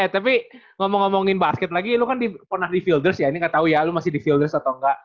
eh tapi ngomong ngomongin basket lagi lu kan pernah di fielders ya ini gak tau ya lu masih di fielders atau nggak